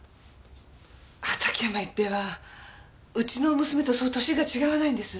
畑山逸平はうちの娘とそう歳が違わないんです。